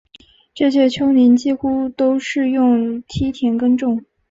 这些丘陵几乎都是用梯田耕种